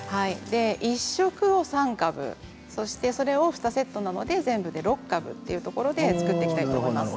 １色を３株そして、それを２セットなので、全部で６株というところで作っていきたいと思います。